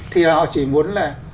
thì họ chỉ muốn là